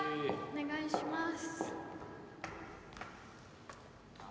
お願いします。